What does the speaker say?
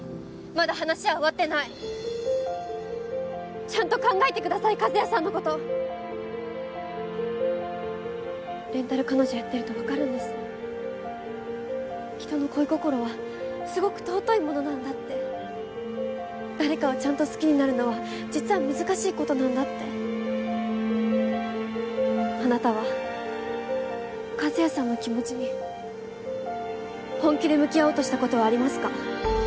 まだ話は終わってないちゃんと考えてください和也さんのことレンタル彼女やってると分かるんです人の恋心はすごく尊いものなんだって誰かをちゃんと好きになるのは実は難しいことなんだってあなたは和也さんの気持ちに本気で向き合おうとしたことはありますか？